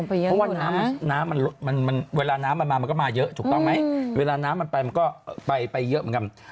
เพราะว่าน้ำมันเวลาน้ำมันมามันก็มาเยอะถูกต้องไหมเวลาน้ำมันไปมันก็ไปเยอะเหมือนกัน